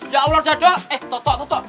ya allah dado eh toto toto